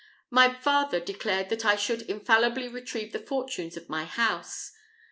My father declared that I should infallibly retrieve the fortunes of my house.